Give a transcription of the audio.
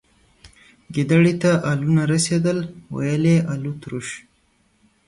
گيدړي ته الو نه رسيدل ، ويل يې الوتروش.